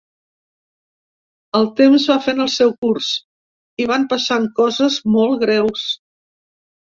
El temps va fent el seu curs i van passant coses molts greus.